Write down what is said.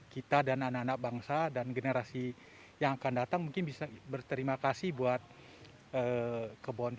kita dan anak anak bangsa dan generasi yang akan datang mungkin bisa berterima kasih buat kebon